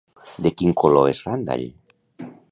De quin color és Randall?